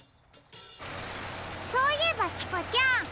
・そういえばチコちゃん。